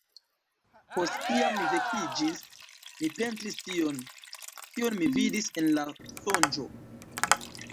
Post kiam mi vekiĝis, mi pentris tion, kion mi vidis en la sonĝo.